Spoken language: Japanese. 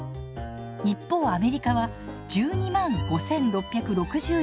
一方アメリカは１２５，６６４円。